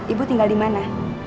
ibu tinggal di mana